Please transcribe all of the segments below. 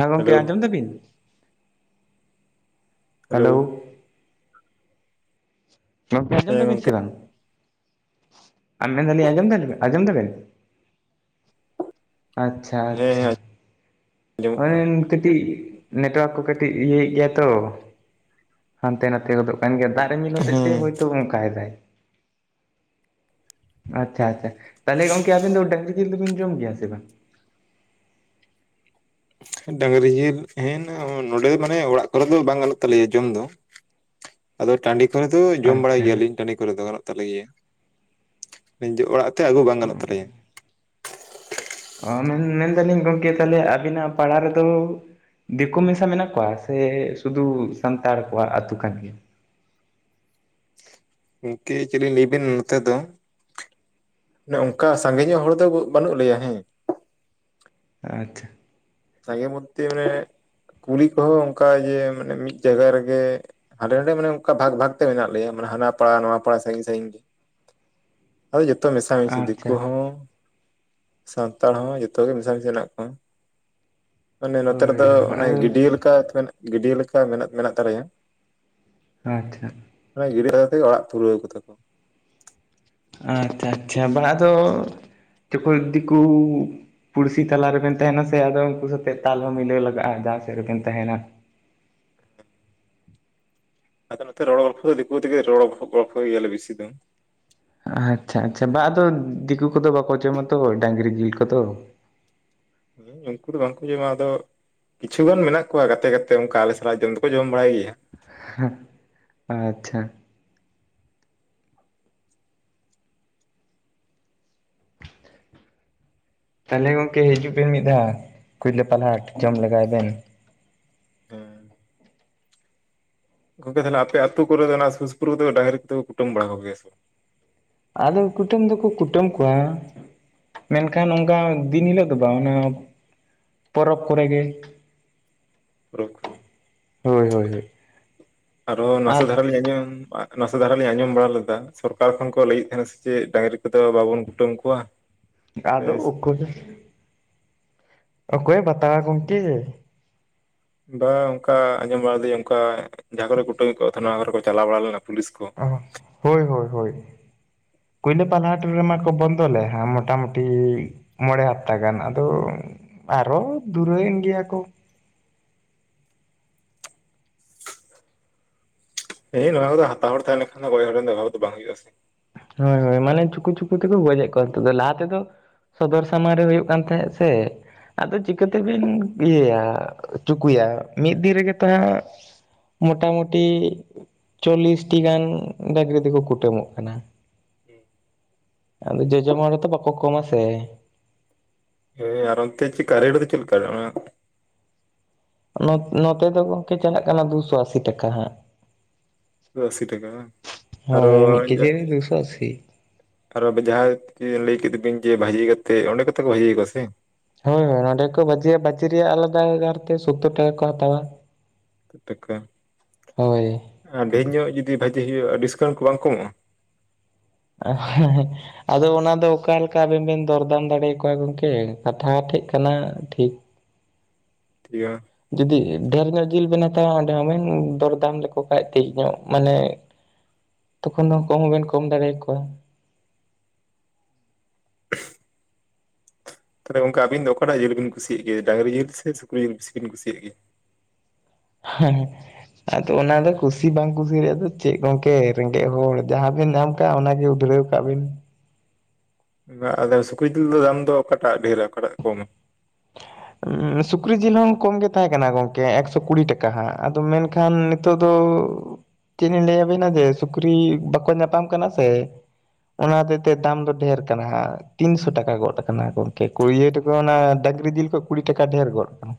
ᱦᱮᱸ ᱦᱮᱞᱳ ᱜᱚᱝᱠᱮ ᱟᱸᱡᱚᱢ ᱫᱟ ᱵᱤᱱ? ᱦᱮᱞᱳ ᱜᱚᱝᱠᱮ ᱟᱸᱡᱚᱢ ᱦᱮᱸ ᱫᱟ ᱵᱤᱱ ᱜᱚᱝᱠᱮ ᱥᱮ ᱵᱟᱝ? ᱟᱸᱻᱢᱮᱱ ᱫᱟ ᱞᱤᱧ ᱟᱸᱡᱚᱢ ᱫᱟ ᱵᱮᱱ, ᱟᱸᱡᱚᱢ ᱫᱟ ᱵᱮᱱ? ᱟᱪᱪᱷᱟ, ᱦᱮᱸ ᱟᱪᱪᱷᱟ᱾ ᱦᱮᱸ ᱟᱸᱡᱚᱢᱚᱜ ᱠᱟᱱᱟ᱾ ᱦᱳᱭᱮᱱ ᱠᱟᱹᱴᱤᱡ ᱱᱮᱴᱣᱟᱨᱠ ᱠᱚ ᱠᱟᱹᱴᱤᱡ ᱤᱭᱟᱹ ᱮᱜ ᱜᱮᱭᱟᱭ ᱛᱚ᱾ ᱦᱟᱱᱛᱮ ᱱᱟᱛᱮ ᱜᱚᱫᱚᱜ ᱠᱟᱱ ᱜᱮᱭᱟ ᱫᱟᱜ ᱨᱤᱢᱤᱞ ᱦᱚᱛᱮᱜ ᱛᱮ ᱦᱳᱭ ᱛᱚ ᱚᱱᱠᱟᱭ ᱫᱟᱭ᱾ ᱟᱪᱪᱷᱟ, ᱦᱮᱸ ᱟᱪᱪᱷᱟ ᱦᱮᱸ ᱛᱟᱞᱦᱮ ᱜᱚᱝᱠᱮ ᱟᱵᱮᱱ ᱫᱚ ᱰᱟᱹᱝᱽᱨᱤ ᱡᱤᱞ ᱫᱚ ᱵᱤᱱ ᱡᱚᱢ ᱜᱮᱭᱟ ᱥᱮ ᱵᱟᱝ? ᱰᱟᱹᱝᱽᱨᱤ ᱡᱤᱞ ᱦᱮᱸ ᱱᱚᱸᱰᱮ ᱫᱚ ᱢᱟᱱᱮ ᱚᱲᱟᱜ ᱠᱚᱨᱮ ᱫᱚ ᱵᱟᱝ ᱜᱟᱱᱚᱜ ᱛᱟᱞᱮᱭᱟ ᱡᱚᱢ ᱫᱚ ᱾ [inaudible] ᱟᱫᱚ ᱴᱟᱸᱰᱤ ᱠᱚᱨᱮ ᱫᱚ ᱡᱚᱢ ᱵᱟᱲᱟᱭ ᱟᱪᱪᱷᱟ ᱜᱮᱭᱟ ᱞᱤᱧ, ᱴᱟᱸᱰᱤ ᱠᱚᱨᱮ ᱫᱚ ᱜᱟᱱᱚᱜ ᱛᱟᱞᱮ ᱜᱮᱭᱟ ᱾ ᱚᱲᱟᱜ ᱛᱮ ᱟᱹᱜᱩ ᱵᱟᱝ ᱜᱟᱱᱚᱜ ᱛᱟᱞᱮᱭᱟ ᱾ ᱚ ᱢᱮᱱ ᱢᱮᱱ ᱫᱟᱹᱞᱤᱧ ᱜᱚᱝᱠᱮ ᱛᱟᱦᱞᱮ ᱟᱹᱵᱤᱱᱟᱜ ᱯᱟᱲᱟ ᱨᱮᱫᱚ ᱫᱮᱠᱳ ᱢᱮᱥᱟ ᱢᱮᱱᱟᱜ ᱠᱚᱣᱟ ᱥᱮ ᱥᱩᱫᱩ ᱥᱟᱱᱛᱟᱲ ᱠᱚᱣᱟᱜ ᱟᱹᱛᱩ ᱠᱟᱱ ᱜᱮᱭᱟ? ᱜᱚᱝᱠᱮ ᱪᱮᱫ ᱞᱤᱧ ᱞᱮᱭ ᱟᱵᱤᱱ ᱱᱚᱛᱮ ᱫᱚ ᱚᱱᱮ ᱚᱱᱠᱟ ᱥᱟᱸᱜᱮ ᱧᱚᱜ ᱦᱚᱲ ᱫᱚ ᱵᱟᱹᱱᱩᱜ ᱞᱮᱭᱟ ᱦᱮᱸ ᱾ ᱟᱪᱪᱷᱟ᱾ ᱥᱟᱸᱜᱮ ᱢᱚᱫᱽᱫᱷᱮ ᱢᱟᱱᱮ ᱠᱩᱞᱦᱤ ᱠᱚᱦᱚᱸ ᱚᱱᱠᱟ ᱡᱮ ᱢᱟᱱᱮ ᱢᱤᱫ ᱡᱟᱭᱜᱟ ᱨᱮᱜᱮ ᱦᱟᱸᱰᱮ ᱱᱟᱸᱰᱮ ᱢᱟᱱᱮ ᱚᱱᱠᱟ ᱵᱷᱟᱜᱽ ᱵᱷᱟᱜᱽ ᱛᱮ ᱢᱮᱱᱟᱜ ᱞᱮᱭᱟ᱾ᱢᱟᱱᱮ ᱦᱟᱱᱟ ᱯᱟᱲᱟ ᱱᱚᱣᱟ ᱯᱟᱲᱟ ᱥᱟᱸᱜᱤᱧ ᱥᱟᱸᱜᱤᱧ ᱜᱮ᱾ [inaudible] ᱟᱫᱚ ᱡᱚᱛᱚ ᱢᱮᱥᱟ ᱢᱤᱥᱤ ᱟᱪᱪᱷᱟ ᱫᱤᱠᱩ ᱦᱚᱸ ᱥᱟᱱᱛᱟᱲ ᱦᱚᱸ ᱡᱚᱛᱚ ᱜᱮ ᱢᱮᱥᱟ ᱢᱤᱥᱤ ᱦᱮᱱᱟᱜ ᱠᱚᱣᱟ᱾ ᱢᱟᱱᱮ ᱱᱚᱛᱮ ᱦᱳᱭ ᱨᱮᱫᱚ ᱦᱳᱭ ᱚᱱᱮ ᱟᱫᱚ ᱜᱤᱰᱭᱟᱹ ᱞᱮᱠᱟ ᱢᱮᱱ ᱜᱟᱹᱰᱭᱟᱹ ᱞᱮᱠᱟ ᱢᱮᱱᱟᱜ ᱢᱮᱱᱟᱜ ᱛᱟᱞᱮᱭᱟ᱾ ᱟᱪᱪᱷᱟ᱾ ᱢᱟᱱᱮ ᱜᱤᱫᱽᱨᱟᱹ ᱟᱛᱮᱜ ᱚᱲᱟᱜ ᱯᱩᱨᱟᱹᱣ ᱠᱟᱫᱟ ᱠᱚ᱾ ᱟᱪᱪᱷᱟ, ᱟᱪᱪᱷᱟ ᱵᱟᱝ ᱟᱫᱚ ᱪᱳᱠᱳᱡ ᱫᱤᱠᱩ ᱯᱩᱲᱥᱤ ᱛᱟᱞᱟ ᱨᱮᱵᱮᱱ ᱛᱟᱦᱮᱱᱟ ᱥᱮ ᱟᱫᱚ ᱩᱱᱠᱩ ᱥᱟᱛᱮᱜ ᱛᱟᱞ ᱦᱚᱸ ᱢᱤᱞᱟᱹᱣ ᱞᱟᱜᱟᱜ-ᱟ᱾ ᱡᱟᱦᱟ ᱥᱮᱫ ᱨᱮᱵᱮᱱ ᱛᱟᱦᱮᱱᱟ᱾ ᱟᱫᱚ ᱱᱚᱛᱮ ᱨᱚᱲ ᱜᱚᱞᱯᱷᱚ ᱫᱚ ᱫᱤᱠᱩ ᱛᱮᱜᱮ ᱨᱚᱲ ᱜᱚᱞᱯᱷᱚ ᱜᱮᱭᱟ ᱞᱮ ᱵᱤᱥᱤ ᱫᱚ᱾ ᱟᱪᱪᱷᱟ ᱟᱪᱪᱷᱟ ᱵᱟ ᱟᱫᱚ ᱫᱤᱠᱩ ᱠᱚᱫᱚ ᱵᱟᱠᱚ ᱡᱚᱢᱟᱛᱚ ᱰᱟᱹᱝᱨᱤ ᱡᱤᱞ ᱠᱚᱫᱚ᱾ ᱦᱮᱸ ᱩᱱᱠᱩ ᱫᱚ ᱵᱟᱝᱠᱩ ᱡᱚᱢᱟ ᱟᱫᱚ ᱠᱤᱪᱷᱩ ᱜᱟᱱ ᱢᱮᱱᱟᱜ ᱠᱚᱣᱟ ᱜᱟᱛᱮ ᱜᱟᱛᱮ ᱚᱱᱠᱟ ᱟᱞᱮ ᱥᱟᱞᱟᱜ ᱡᱚᱢ ᱫᱚᱠᱚ ᱡᱚᱢ ᱵᱟᱲᱟᱭ ᱜᱮᱭᱟ᱾ ᱦᱮ ᱟᱪᱪᱷᱟ ᱾ ᱛᱟᱦᱚᱞᱮ ᱜᱚᱝᱠᱮ ᱦᱤᱡᱩᱜ ᱵᱮᱱ ᱢᱤᱫ ᱫᱷᱟᱣ ᱠᱩᱭᱞᱟᱹᱯᱟᱞ ᱦᱟᱴ ᱡᱚᱢ ᱞᱮᱜᱟᱭ ᱵᱮᱱ᱾ ᱦᱮᱸ ᱾ ᱜᱚᱝᱠᱮ ᱛᱟᱦᱚᱞᱮ ᱟᱯᱮ ᱟᱹᱛᱩ ᱠᱚᱨᱮ ᱫᱚ ᱚᱱᱟ ᱥᱩᱨ ᱥᱯᱩᱨ ᱠᱚᱫᱚ ᱰᱟᱝᱜᱨᱤ ᱠᱚᱛ ᱫᱚ ᱠᱩᱴᱟᱹᱢ ᱵᱟᱲᱟ ᱠᱚ ᱜᱮᱭᱟ ᱥᱮ ᱵᱟᱝ? ᱟᱫᱚ ᱠᱩᱴᱟᱹᱢ ᱫᱚᱠᱚ ᱠᱩᱴᱟᱹᱢ ᱠᱚᱣᱟ᱾ ᱢᱮᱱᱠᱷᱟᱱ ᱚᱱᱠᱟ ᱫᱤᱱ ᱦᱤᱞᱳᱜ ᱫᱚ ᱵᱟᱝ ᱚᱱᱟ ᱯᱚᱨᱚᱵᱽ ᱠᱚᱨᱮ ᱜᱮ ᱯᱚᱨᱚᱵᱽ ᱠᱚᱨᱮ ᱦᱳᱭ ᱦᱳᱭ ᱦᱳᱭ ᱾ ᱟᱨᱚ ᱱᱟᱥᱮ ᱫᱷᱟᱨᱟ ᱞᱤᱧ ᱟᱸᱡᱚᱢ ᱟ ᱱᱟᱥᱮ ᱫᱷᱟᱨᱟ ᱞᱤᱧ ᱟᱸᱡᱚᱢ ᱵᱟᱲᱟ ᱞᱮᱫᱟ ᱥᱚᱨᱠᱟᱨ ᱠᱷᱚᱱ ᱠᱚ ᱞᱟᱹᱭᱮᱫ ᱛᱟᱦᱮᱸᱱᱟ ᱥᱮ ᱪᱮᱫ ᱰᱟᱝᱜᱨᱤ ᱠᱚᱫᱚ ᱵᱟᱵᱚᱱ ᱠᱩᱴᱟᱹᱢ ᱠᱚᱣᱟ? ᱥᱮ ᱟᱫᱚ ᱚᱠᱚᱭᱮ ᱚᱠᱚᱭᱮ ᱵᱟᱛᱟᱣᱟ ᱜᱚᱝᱠᱮ᱾ ᱵᱟ ᱚᱱᱠᱟ ᱟᱸᱡᱚᱢ ᱵᱟᱲᱟᱫᱮᱧ ᱚᱱᱠᱟ ᱡᱟᱦᱟᱸ ᱠᱚᱨᱮ ᱠᱩᱴᱟᱹᱢ ᱠᱚᱣᱟ ᱛᱟᱦᱮᱱᱟ ᱚᱱᱟ ᱠᱚᱨᱮ ᱠᱚ ᱪᱟᱞᱟᱣ ᱵᱟᱲᱟ ᱞᱮᱱᱟ ᱯᱩᱞᱤᱥ ᱠᱚ᱾ ᱚ ᱦᱳᱭ ᱦᱳᱭ ᱦᱳᱭ ᱾ ᱠᱩᱭᱞᱟᱹᱯᱟᱞ ᱦᱟᱴ ᱢᱟᱠᱚ ᱵᱚᱱᱫᱚᱞᱮᱫ ᱦᱟᱸ ᱢᱚᱴᱟ-ᱢᱩᱴᱤ ᱢᱚᱬᱮ ᱦᱟᱯᱛᱟ ᱜᱟᱱ ᱟᱫᱚ ᱟᱨᱚ ᱫᱩᱨᱟᱹᱭᱮᱸᱱ ᱜᱮᱭᱟ ᱠᱚ᱾ ᱮ ᱱᱚᱣᱟ ᱠᱚᱫᱚ ᱦᱟᱛᱟᱣ ᱦᱚᱲ ᱛᱟᱦᱮᱸᱱ ᱞᱮᱱᱠᱷᱟᱱ ᱫᱚ ᱜᱚᱡ ᱦᱚᱲ ᱨᱮᱱ ᱫᱚ ᱚᱵᱷᱟᱵ ᱫᱚ ᱵᱟᱝ ᱦᱩᱭᱩᱜᱼᱟ ᱥᱮ ᱾ ᱦᱳᱭ ᱦᱳᱭ ᱢᱟᱱᱮ ᱪᱩᱠᱩ ᱪᱩᱠᱩ ᱛᱮᱠᱚ ᱜᱚᱡᱮᱫ ᱠᱚᱣᱟ ᱱᱤᱛᱩ ᱫᱚ, ᱞᱟᱦᱟ ᱛᱮᱫᱚ ᱥᱚᱫᱚᱨ ᱥᱟᱢᱟᱝ ᱨᱮ ᱦᱩᱭᱩᱜ ᱠᱟᱱ ᱛᱟᱦᱮᱸᱜ ᱥᱮ ᱟᱫᱚ ᱪᱤᱠᱟᱹᱛᱮᱵᱤᱱᱼᱼ ᱤᱭᱟᱹᱭᱟ ᱪᱩᱠᱩᱭᱟ ᱢᱤᱫ ᱫᱤᱱ ᱨᱮᱜᱮ ᱛᱚ ᱦᱟᱸᱜ ᱢᱚᱴᱟ ᱢᱩᱴᱤ ᱪᱚᱞᱞᱤᱥᱴᱤ ᱜᱟᱱ ᱰᱟᱝᱨᱤ ᱫᱚᱠᱚ ᱠᱩᱴᱟᱹᱢᱚᱜ ᱠᱟᱱᱟ᱾ [unintelligible] ᱟᱫᱚ ᱡᱚᱡᱚᱢ ᱦᱚᱲ ᱦᱚᱸ ᱛᱚ ᱵᱟᱠᱚ ᱠᱚᱢᱟ ᱥᱮ᱾ ᱦᱮᱸ ᱟᱨ ᱚᱱᱛᱮ ᱪᱤᱠᱟ ᱨᱮᱴ ᱫᱚ ᱪᱤᱞᱠᱟ ᱚᱱ ᱚᱱᱟ ᱱᱚᱛ ᱱᱚᱛᱮ ᱫᱚ ᱜᱚᱝᱠᱮ ᱪᱟᱞᱟᱜ ᱠᱟᱱᱟ ᱫᱩᱥᱚ ᱟᱥᱤ ᱴᱟᱠᱟ ᱦᱟᱸᱜ᱾ ᱫᱚ ᱟᱥᱤ ᱴᱟᱠᱟ ᱵᱟᱝ ᱟᱨᱚ ᱦᱳᱭ ᱢᱤᱜ ᱠᱮᱡᱤ ᱨᱮ ᱫᱩᱥᱚ ᱟᱥᱤ᱾ ᱟᱨ [unintelligible] ᱡᱟᱦᱟᱸᱭ ᱡᱮ ᱞᱟᱹᱭ ᱠᱮᱫ ᱵᱤᱱ ᱡᱮ ᱵᱷᱟᱹᱡᱤ ᱠᱟᱛᱮᱫ ᱚᱸᱰᱮ ᱜᱮᱛᱚ ᱠᱚ ᱵᱷᱟᱹᱡᱤᱭᱟ ᱠᱚᱣᱟ ᱥᱮ᱾ ᱦᱳᱭ ᱦᱳᱭ ᱚᱱᱚᱸᱰᱮ ᱜᱮᱠᱚ ᱵᱷᱟᱡᱤᱭᱟ ᱵᱷᱟᱡᱤ ᱨᱮᱭᱟᱜ ᱟᱞᱟᱫᱟ ᱟᱨᱛᱮ ᱥᱳᱛᱽᱛᱳᱨ ᱴᱟᱠᱟ ᱠᱚ ᱦᱟᱛᱟᱣᱟ᱾ ᱴᱟᱠᱟ ᱦᱳᱭ ᱟᱨ ᱰᱷᱮᱨ ᱧᱚᱜ ᱡᱩᱫᱤ ᱵᱷᱟᱹᱡᱤ ᱦᱩᱭᱩᱜᱼᱟ ᱰᱤᱥᱠᱟᱣᱩᱱᱴ ᱠᱚ ᱵᱟᱝ ᱠᱚ ᱮᱢᱚᱜᱼᱟ? ᱟ ᱦᱮᱸ ᱦᱮᱸ ᱾ ᱟᱫᱚ ᱚᱱᱟ ᱫᱚ ᱚᱠᱟ ᱞᱮᱠᱟ ᱟᱵᱮᱱ ᱵᱮᱱ ᱫᱚᱨᱫᱟᱢ ᱫᱟᱲᱮᱭ ᱟᱠᱚᱣᱟ ᱜᱚᱝᱠᱮ ᱠᱟᱛᱷᱟ ᱴᱷᱮᱡ ᱠᱟᱱᱟ ᱴᱷᱤᱠ᱾ [unintelligible] ᱡᱩᱫᱤ ᱰᱷᱮᱨ ᱧᱚᱜ ᱡᱤᱞ ᱵᱮᱱ ᱦᱟᱛᱟᱣᱟ ᱚᱸᱰᱮ ᱦᱚᱸ ᱵᱮᱱ ᱫᱚᱨᱫᱟᱢ ᱞᱮᱠᱚ ᱠᱷᱟᱱᱡ ᱛᱷᱤᱜ ᱧᱚᱜ ᱢᱟᱱᱮ ᱛᱚᱠᱷᱚᱱ ᱫᱚ ᱠᱚᱢ ᱦᱚᱸ ᱵᱮᱱ ᱠᱚᱢ ᱫᱟᱲᱮᱭ ᱠᱚᱣᱟ᱾ ᱛᱟᱦᱚᱞᱮ ᱜᱚᱝᱠᱮ ᱟᱵᱤᱱ ᱫᱚ ᱚᱠᱟᱴᱟᱜ ᱡᱤᱞ ᱵᱤᱱ ᱠᱩᱥᱤᱜ ᱜᱮᱭᱟ ᱰᱟᱝᱨᱤ ᱡᱤᱞ ᱥᱮ ᱥᱩᱠᱨᱤ ᱡᱤᱞ ᱵᱤᱥᱤ ᱵᱤᱱ ᱠᱩᱥᱤᱭᱟᱜ ᱜᱮᱭᱟ? ᱦᱮᱸ ᱦᱮᱸ᱾ ᱟᱫᱚ ᱚᱱᱟ ᱫᱚ ᱠᱩᱥᱤ ᱵᱟᱝ ᱠᱩᱥᱤ ᱨᱮᱭᱟᱜ ᱫᱚ ᱪᱮᱫ ᱜᱚᱝᱠᱮ ᱨᱮᱸᱜᱮᱡ ᱦᱚᱲ ᱡᱟᱦᱟᱸ ᱵᱮᱱ ᱫᱟᱢ ᱠᱟᱜ-ᱟ ᱚᱱᱟᱜᱮ ᱩᱫᱽᱷᱨᱟᱹᱣ ᱠᱟᱜ ᱵᱤᱱ᱾ ᱵᱟ ᱟᱫᱚ ᱥᱩᱠᱨᱤ ᱡᱤᱞ ᱫᱚ ᱫᱟᱢ ᱫᱚ ᱚᱠᱟᱴᱟᱜ ᱰᱷᱮᱨᱟ ᱚᱠᱟᱴᱟᱜ ᱠᱚᱢᱟ? ᱥᱩᱠᱨᱤ ᱡᱤᱞ ᱦᱚᱸ ᱠᱚᱢ ᱜᱮ ᱛᱟᱦᱮᱸ ᱠᱟᱱᱟ ᱜᱚᱝᱠᱮ ᱮᱠᱥᱚ ᱠᱩᱲᱤ ᱴᱟᱠᱟ ᱦᱟᱸᱜ ᱟᱫᱚ ᱢᱮᱱᱠᱷᱟᱱ ᱱᱤᱛᱚᱜ ᱫᱚ ᱪᱮᱫ ᱞᱤᱧ ᱞᱟᱹᱭ ᱟᱵᱤᱱᱟ ᱡᱮ ᱥᱩᱠᱨᱤ ᱵᱟᱠᱚ ᱧᱟᱯᱟᱢ ᱠᱟᱱᱟ ᱥᱮ ᱚᱱᱟ ᱦᱚᱛᱮᱫ ᱛᱮ ᱫᱟᱢ ᱫᱚ ᱰᱷᱮᱨ ᱠᱟᱱᱟ ᱦᱟᱸᱜ ᱛᱤᱱᱥᱚ ᱴᱟᱠᱟ ᱜᱚᱫ ᱟᱠᱟᱱᱟ ᱜᱚᱝᱠᱮ, ᱠᱩᱲᱭᱟ ᱴᱟ ᱛᱚ ᱚᱱᱟ ᱰᱟᱝᱨᱤ ᱡᱤᱞ ᱠᱷᱚᱡ ᱠᱩᱲᱤ ᱴᱟᱠᱟ ᱰᱷᱮᱨ ᱜᱚᱫ ᱠᱟᱱᱟ᱾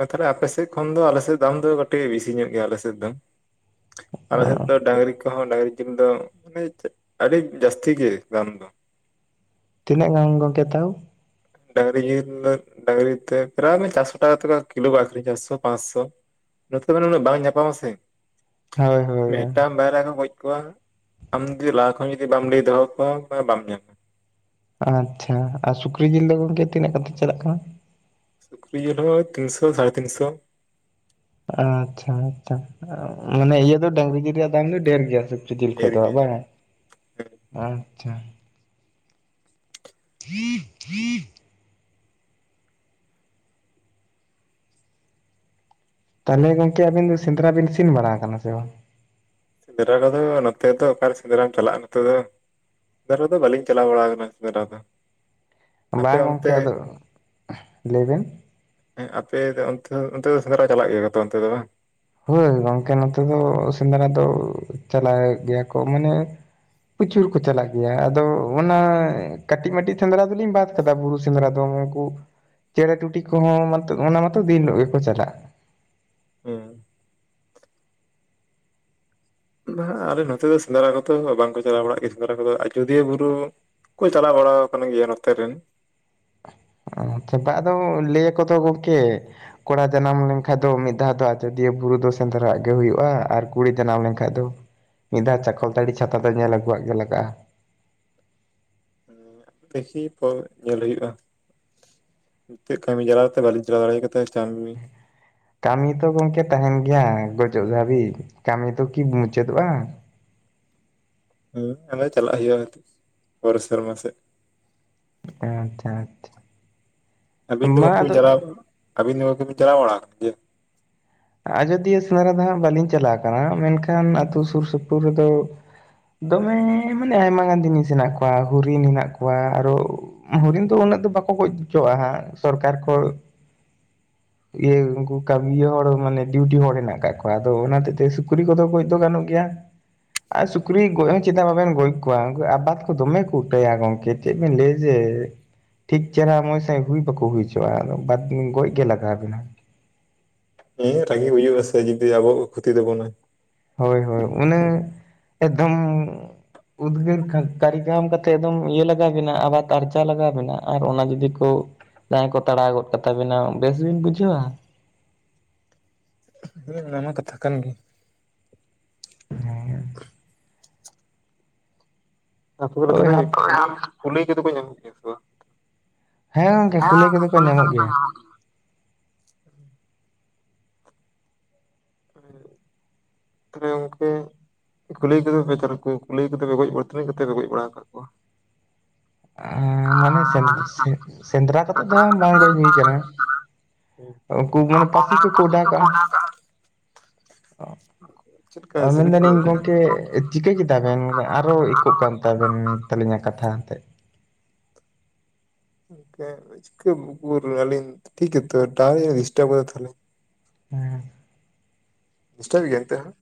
ᱚ ᱛᱟᱦᱟᱞᱮ ᱟᱯᱮᱥᱮᱫ ᱠᱷᱚᱱ ᱫᱚ ᱟᱞᱮᱥᱮᱫ ᱫᱟᱢ ᱫᱚ ᱠᱟᱹᱴᱤᱡ ᱵᱤᱥᱤ ᱧᱚᱜ ᱜᱮᱭᱟ ᱟᱞᱮᱥᱮᱫ ᱫᱚ᱾ ᱟᱞᱮ ᱥᱮᱫ ᱫᱚ ᱰᱟᱝᱨᱤ ᱠᱚᱦᱚᱸ ᱰᱟᱹᱝᱨᱤ ᱡᱤᱞ ᱫᱚ ᱢᱟᱱᱮ [inaudible] ᱪᱮᱫ ᱟᱹᱰᱤ ᱡᱟᱹᱥᱛᱤ ᱜᱮ ᱫᱟᱢ ᱫᱚ᱾ ᱛᱤᱱᱟᱹᱜ ᱜᱟᱱ ᱜᱚᱢᱠᱮ ᱛᱟᱣ? ᱰᱟᱹᱝᱨᱤ ᱡᱤᱞ ᱰᱟᱹᱝᱨᱤ ᱛᱮ ᱯᱨᱟᱭ ᱢᱟᱱᱮ ᱪᱟᱨᱥᱚ ᱴᱟᱠᱟ ᱠᱟᱛᱮ ᱠᱚ ᱠᱤᱞᱳ ᱠᱚ ᱟᱠᱷᱨᱤᱧ ᱪᱟᱨᱥᱚ ᱯᱟᱸᱪᱥᱚ᱾ ᱱᱚᱛᱮ ᱢᱟᱱᱮ ᱩᱱᱟᱹᱜ ᱵᱟᱝ ᱧᱟᱯᱟᱢᱟ ᱥᱮ, ᱦᱳᱭ ᱦᱳᱭ ᱢᱤᱫᱴᱟᱝ ᱵᱟᱭᱨᱟ ᱠᱚ ᱜᱚᱡ ᱠᱚᱣᱟ ᱟᱢ ᱡᱩᱫᱤ ᱞᱟᱦᱟ ᱠᱷᱚᱱ ᱡᱩᱫᱤ ᱵᱟᱢ ᱞᱮᱭ ᱫᱚᱦᱚᱭᱟ ᱠᱚᱣᱟ ᱛᱚᱵᱮ ᱵᱟᱢ ᱧᱟᱢᱟ᱾ ᱟᱪᱪᱷᱟ ᱟᱨ ᱥᱩᱠᱨᱤ ᱡᱤᱞ ᱫᱚ ᱜᱚᱝᱠᱮ ᱛᱤᱱᱟᱹᱜ ᱠᱟᱛᱮ ᱪᱟᱞᱟᱜ ᱠᱟᱱᱟ? ᱥᱩᱠᱨᱤ ᱡᱤᱞ ᱦᱚᱸᱜ-ᱚᱭ ᱛᱤᱱ ᱥᱚ ᱥᱟᱲᱮ ᱛᱤᱱ ᱥᱚ᱾ ᱟᱪᱪᱷᱟ ᱟᱪᱪᱷᱟ ᱢᱟᱱᱮ ᱤᱭᱟᱹ ᱫᱚ ᱰᱟᱹᱝᱨᱤ ᱡᱤᱞ ᱨᱮᱭᱟᱜ ᱫᱟᱢ ᱫᱚ ᱰᱷᱮᱨ ᱜᱮᱭᱟ ᱥᱮ [unintelligible] ᱡᱤᱞ ᱠᱷᱚᱡ ᱰᱷᱮᱨ ᱫᱚ ᱜᱮᱭᱟ ᱵᱟᱝ, ᱦᱮᱸ ᱟᱪᱪᱷᱟ᱾ [unintelligible] ᱛᱟᱦᱟᱞᱮ ᱜᱚᱝᱠᱮ ᱟᱹᱵᱤᱱ ᱫᱚ ᱥᱮᱸᱫᱽᱨᱟ ᱵᱤᱱ ᱤᱥᱤᱱ ᱵᱟᱲᱟᱣ ᱠᱟᱱᱟ ᱥᱮ ᱵᱟᱝ? ᱥᱮᱸᱫᱽᱨᱟ ᱠᱚᱫᱚ ᱱᱚᱛᱮ ᱫᱚ ᱚᱠᱟᱨᱮ ᱥᱮᱸᱫᱽᱨᱟᱢ ᱪᱟᱞᱟᱜᱼᱟ ᱱᱚᱛᱮ ᱫᱚ᱾ ᱥᱮᱸᱮᱫᱨᱟ ᱫᱚ ᱵᱟᱹᱞᱤᱧ ᱪᱟᱞᱟᱣ ᱵᱟᱲᱟᱣ ᱠᱟᱱᱟ ᱥᱮᱸᱱᱫᱽᱨᱟ ᱫᱚ᱾ ᱟᱯᱮ ᱵᱟᱝ ᱜᱚᱢᱠᱮ ᱚᱱᱛᱮ ᱟᱫᱚ, ᱞᱮ ᱵᱮᱱ᱾ ᱦᱮᱸ ᱟᱯᱮ ᱫᱚ ᱚᱱᱛᱮ ᱫᱚ ᱚᱱᱛᱮ ᱫᱚ ᱥᱮᱸᱫᱽᱨᱟ ᱪᱟᱞᱟᱜ ᱜᱮᱭᱟ ᱠᱚᱛᱚ ᱚᱱᱛᱮ ᱫᱚ ᱵᱟᱝ? ᱦᱳᱭ ᱜᱚᱝᱠᱮ ᱱᱚᱛᱮ ᱫᱚ ᱥᱮᱸᱫᱽᱨᱟ ᱫᱚ ᱪᱟᱞᱟᱜ ᱜᱮᱭᱟ ᱠᱚ ᱢᱟᱱᱮ ᱯᱨᱚᱪᱩᱨ ᱠᱚ ᱪᱟᱞᱟᱜ ᱜᱮᱭᱟ ᱟᱫᱚ ᱚᱱᱟ ᱠᱟᱹᱴᱤᱡ ᱢᱟᱴᱤᱡ ᱥᱮᱸᱫᱽᱨᱟ ᱫᱚᱞᱤᱧ ᱵᱟᱫ ᱠᱟᱫᱟ ᱵᱩᱨᱩ ᱥᱮᱸᱫᱽᱨᱟ ᱫᱚ ᱩᱱᱠᱩ ᱪᱮᱬᱮᱸ ᱴᱩᱴᱤ ᱠᱚᱦᱚᱸ ᱚᱱᱟ ᱢᱟᱛᱚ ᱫᱤᱱ ᱦᱤᱞᱳᱜ ᱜᱮᱠᱚ ᱪᱟᱞᱟᱜᱼᱟ᱾ ᱦᱮᱸ᱾ ᱵᱟᱝ ᱦᱟᱹᱜ ᱟᱞᱮ ᱱᱚᱛᱮ ᱫᱚ ᱥᱮᱸᱫᱽᱨᱟ ᱠᱚᱫᱚ ᱵᱟᱝᱠᱚ ᱪᱟᱞᱟᱣ ᱵᱟᱲᱟᱜ ᱜᱮᱭᱟ ᱥᱮᱸᱫᱽᱨᱟ ᱠᱚᱫᱚ ᱟᱡᱚᱫᱤᱭᱟᱹ ᱵᱩᱨᱩ ᱠᱚ ᱪᱟᱞᱟᱣ ᱵᱟᱲᱟᱣ ᱟᱠᱟᱱ ᱜᱮᱭᱟ ᱱᱚᱛᱮ ᱨᱮᱱ᱾ ᱟᱪᱪᱷᱟ ᱵᱟᱝ ᱟᱫᱚ ᱞᱮ ᱟᱠᱚ ᱛᱚ ᱜᱚᱢᱠᱮ ᱠᱚᱲᱟ ᱡᱟᱱᱟᱢ ᱞᱮᱱᱠᱷᱟᱡ ᱫᱚ ᱢᱤᱫ ᱫᱷᱟᱣ ᱫᱚ ᱟᱡᱳᱚᱫᱤᱭᱟᱹ ᱵᱩᱨᱩ ᱫᱚ ᱥᱮᱸᱫᱽᱨᱟᱣᱟᱜ ᱜᱮ ᱦᱩᱭᱩᱜᱼᱟ ᱟᱨ ᱠᱩᱲᱤ ᱡᱟᱱᱟᱢ ᱞᱮᱱᱠᱷᱟᱡ ᱫᱚ ᱢᱤᱫ ᱫᱷᱟᱣ ᱪᱟᱠᱚᱞᱛᱟᱹᱲᱤ ᱪᱷᱟᱛᱟ ᱫᱚ ᱧᱮᱞ ᱟᱹᱜᱩᱣᱟᱜ ᱜᱮ ᱞᱟᱜᱟᱜᱼᱟ᱾ ᱫᱮᱥᱤ ᱯᱚᱨ ᱧᱮᱞ ᱦᱩᱭᱩᱜᱼᱟ᱾ ᱬᱤᱛᱟᱹᱜ ᱠᱟᱹᱢᱤ ᱡᱟᱞᱟ ᱨᱮᱛᱮ ᱵᱟᱹᱞᱤᱧ ᱪᱟᱞᱟᱣ ᱫᱟᱲᱮ ᱠᱟᱫᱟ [unintelligible] ᱠᱟᱹᱢᱤ ᱛᱚ ᱜᱚᱢᱠᱮ ᱛᱟᱦᱮᱱ ᱜᱮᱭᱟ ᱜᱚᱡᱚᱜ ᱫᱷᱟᱹᱵᱤᱡ ᱠᱟᱹᱢᱤ ᱫᱚ ᱠᱤ ᱢᱩᱪᱟᱹᱫᱚᱜᱼᱟ᱾ ᱦᱮᱸ ᱟᱢᱟ ᱪᱟᱞᱟᱜ ᱦᱩᱭᱩᱜ-ᱟ᱾ ᱱᱤᱛᱚᱜ ᱯᱚᱨᱮᱨ ᱫᱮᱨᱢᱟ ᱥᱮᱫ᱾ ᱟᱪᱪᱷᱟ ᱟᱪᱪᱷᱟ ᱾ ᱟᱹᱵᱤᱱ ᱫᱚ ᱜᱚᱝᱠᱮ ᱵᱤᱱ ᱪᱞᱟᱣ ᱠᱟᱱᱟ, ᱟᱹᱵᱤᱱ ᱫᱚ ᱜᱟᱝᱠᱮ ᱱᱤᱱ ᱪᱟᱞᱟᱣ ᱵᱟᱲᱟᱣ ᱠᱟᱱᱟ ᱡᱮ ᱟᱡᱳᱫᱤᱭᱟᱹ ᱥᱮᱸᱫᱽᱨᱟ ᱫᱚ ᱦᱟᱸᱜ ᱵᱟᱹᱞᱤᱧ ᱪᱟᱞᱟᱣ ᱠᱟᱱᱟ ᱢᱮᱱᱠᱷᱟᱱ ᱟᱹᱛᱩ ᱥᱩᱨ ᱥᱩᱯᱩᱨ ᱨᱮᱫᱚ ᱫᱚᱢᱮᱻ ᱢᱟᱱᱮ ᱟᱭᱢᱟ ᱜᱟᱱ ᱡᱤᱱᱤᱥ ᱦᱮᱱᱟᱜ ᱠᱚᱣᱟ ᱦᱚᱨᱤᱱ ᱦᱮᱱᱟᱜ ᱠᱚᱣᱟ ᱟᱨᱚ ᱦᱚᱨᱤᱱ ᱫᱚ ᱩᱱᱟᱹᱜ ᱫᱚ ᱵᱟᱠᱚ ᱜᱚᱡ ᱦᱚᱪᱚᱣᱟᱜᱼᱟ ᱦᱟᱸᱜ‌ ᱥᱚᱨᱠᱟᱨ ᱠᱷᱚᱡ ᱤᱭᱟᱹ ᱩᱱᱠᱩ ᱠᱟᱹᱢᱤᱭᱟ ᱦᱚᱲ ᱢᱟᱱᱮ ᱰᱤᱩᱴᱤ ᱦᱚᱲ ᱦᱮᱱᱟᱜ ᱟᱠᱟᱫ ᱠᱚᱣᱟ ᱟᱫᱚ ᱚᱱᱟ ᱦᱚᱛᱮᱫ ᱛᱮ ᱥᱩᱠᱨᱤ ᱠᱚᱫᱚ ᱜᱚᱡ ᱫᱚ ᱜᱟᱱᱚᱜ ᱜᱮᱭᱟ᱾ ᱟᱨ ᱥᱩᱠᱨᱤ ᱜᱚᱡ ᱦᱚᱸ ᱪᱮᱫᱟᱜ ᱵᱟᱵᱮᱱ ᱜᱚᱡ ᱠᱚᱣᱟ ᱩᱱᱠᱩ ᱟᱵᱟᱫᱽ ᱠᱚ ᱫᱚᱢᱮ ᱠᱚ ᱩᱴᱟᱹᱭᱟ ᱜᱚᱝᱠᱮ᱾ ᱪᱮᱫ ᱵᱮᱱ ᱞᱮᱭᱟ ᱡᱮ ᱴᱷᱤᱠ ᱪᱮᱦᱨᱟ ᱢᱚᱸᱡᱽ ᱥᱟᱹᱦᱤᱡ ᱦᱩᱭ ᱵᱟᱠᱚ ᱦᱩᱭ ᱦᱟᱪᱚᱜᱼᱟ ᱟᱫᱚ ᱵᱟᱫ ᱜᱚᱡ ᱜᱮ ᱞᱟᱜᱟᱣ ᱵᱮᱱᱟ᱾ ᱦᱮᱸ ᱨᱟᱹᱜᱤ ᱦᱩᱭᱩᱜ ᱟᱥᱮ ᱡᱩᱫᱤ ᱟᱵᱚᱣᱟᱜ ᱠᱚ ᱠᱷᱚᱛᱤ ᱛᱟᱵᱚᱱᱟ᱾ ᱦᱳᱭ ᱦᱳᱭ ᱚᱱᱮ ᱮᱠᱫᱷᱚᱢ ᱩᱫᱽᱜᱟᱹᱨ ᱠᱟᱹᱨᱤᱜᱟᱢ ᱠᱟᱛᱮ ᱮᱠᱫᱚᱢ ᱤᱭᱟᱹ ᱞᱟᱜᱟᱣ ᱵᱤᱱᱟ ᱟᱵᱟᱨ ᱠᱟᱨᱡᱟ ᱞᱟᱜᱟᱣ ᱢᱮᱱᱟᱜᱼᱟ, ᱟᱨ ᱚᱱᱟ ᱡᱩᱫᱤ ᱠᱳ ᱡᱟᱦᱟᱸᱭ ᱠᱚ ᱛᱟᱲᱟᱣ ᱜᱚᱫ ᱠᱟᱛᱟᱵᱤᱱᱟ ᱵᱮᱥ ᱵᱤᱱ ᱵᱩᱡᱷᱟᱹᱣᱟ? ᱚᱱᱟᱢᱟ ᱠᱟᱛᱷᱟ ᱠᱟᱱ ᱜᱮ᱾ [inaudible] ᱳᱭ ᱦᱟᱯ [inaudible] ᱠᱩᱞᱟᱹᱭ ᱠᱚᱫᱚ ᱠᱚ ᱧᱟᱢᱚᱜ ᱜᱮᱭᱟᱹ ᱥᱮ ᱵᱟᱝ? ᱦᱮᱸ ᱜᱚᱝᱠᱮ ᱠᱩᱞᱟᱹᱭ ᱠᱚᱫᱚ ᱠᱚ ᱧᱟᱢᱚᱜ ᱜᱮᱭᱟ [inaudible] [inaudible] [inaudible] ᱠᱩᱞᱟᱹᱭ ᱠᱚᱫᱚ ᱯᱮ ᱛᱟᱨ ᱠᱚ ᱠᱩᱞᱟᱹᱭ ᱠᱚᱫᱚ ᱯᱮ ᱜᱚᱡ ᱵᱟᱲᱟ ᱛᱤᱱᱟᱹᱝ ᱠᱟᱛᱮ ᱯᱮ ᱜᱚᱡ ᱵᱟᱲᱟ ᱠᱟᱜ ᱠᱚᱣᱟ? [inaudible] ᱟᱸ ᱢᱟᱱᱮ ᱥᱮᱸᱫᱽ ᱟᱞᱮ ᱥᱮᱸᱫᱽ ᱥᱮᱸᱫᱽᱨᱟ ᱠᱟᱛᱮᱜ ᱫᱚ ᱦᱟᱸᱝ ᱵᱟᱝ ᱜᱚᱡ ᱦᱩᱭ ᱠᱟᱱᱟ ᱾ ᱩᱝᱠᱩ ᱢᱟᱱᱮ ᱟᱠᱟᱱᱟ᱾ ᱦᱮᱸ᱾ ᱩᱱᱠᱩ ᱯᱟᱥᱤ ᱦᱚᱲ ᱠᱚᱠᱚ ᱯᱟᱹᱥᱤ ᱚᱰᱟᱣ ᱠᱟᱜᱼᱟ ᱛᱮᱠᱚ ᱾ ᱚᱰᱟᱣ ᱠᱟᱜᱼᱟ᱾ ᱚ ᱪᱮᱫ ᱞᱮᱠᱟ ᱚ ᱢᱮᱱ ᱥᱤᱵᱤᱞ ᱫᱟᱞᱤᱧ ᱜᱮᱭᱟ? ᱜᱚᱝᱠᱮ ᱮᱫ ᱪᱤᱠᱟᱹ ᱠᱮᱫᱟ ᱵᱮᱱ ᱟᱨᱚ ᱤᱠᱳᱜ ᱠᱟᱱ ᱛᱟᱵᱮᱱ ᱛᱟᱞᱤᱧᱟ ᱠᱟᱛᱷᱟ ᱛᱮᱫ? [unintelligible] ᱪᱤᱠᱟᱹᱩᱠᱩᱨ ᱟᱞᱤᱧ ᱴᱷᱤᱠ ᱜᱮᱛᱚ ᱴᱟᱣᱟᱨ ᱡᱟᱱᱤᱡ ᱰᱤᱥᱴᱟᱵᱽ ᱠᱟᱫᱟ ᱛᱟᱦᱞᱮ ᱾ ᱦᱮᱸ᱾ ᱰᱤᱥᱴᱟᱵ ᱜᱤᱭᱟ ᱦᱤᱸᱛᱳᱜ ᱦᱚᱸ?